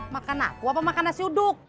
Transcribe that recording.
makan aku apa makan nasi uduk